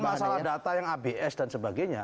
masalah data yang abs dan sebagainya